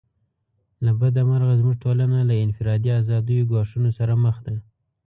له بده مرغه زموږ ټولنه له انفرادي آزادیو ګواښونو سره مخ ده.